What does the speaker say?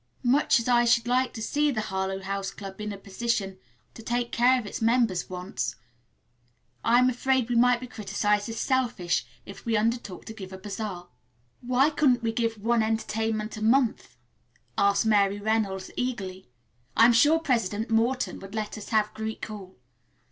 "Much as I should like to see the Harlowe House Club in a position to take care of its members' wants I am afraid we might be criticized as selfish if we undertook to give a bazaar." "Why couldn't we give one entertainment a month?" asked Mary Reynolds eagerly. "I am sure President Morton would let us have Greek Hall.